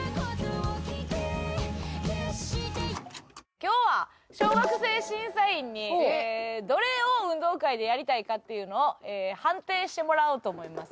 今日は小学生審査員にどれを運動会でやりたいかっていうのを判定してもらおうと思います。